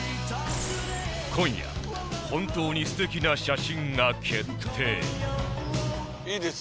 今夜本当に素敵な写真が決定